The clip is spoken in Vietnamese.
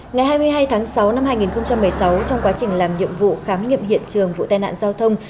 ngày hai mươi hai tháng sáu năm hai nghìn một mươi sáu trong quá trình làm nhiệm vụ khám nghiệm hiện trường vụ tai nạn giao thông